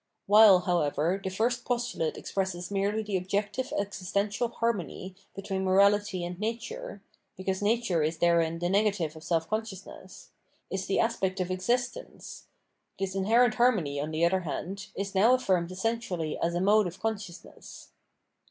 While, how ever, the first postulate expresses merely the objective existential harmony between morahty and nature, because nature is therein the negative of self conscious ness, is the aspect of existence, this inherent harmony, on the other hand, is now affirmed essentially as a mode of consciousness.